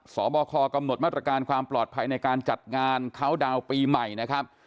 บคกำหนดมาตรการความปลอดภัยในการจัดงานเขาดาวน์ปีใหม่นะครับ